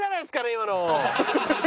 今の。